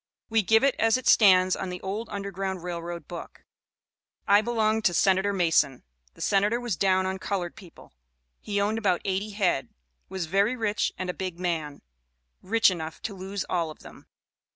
We give it as it stands on the old Underground Rail Road book: "I belonged to Senator Mason. The Senator was down on colored people. He owned about eighty head was very rich and a big man, rich enough to lose all of them.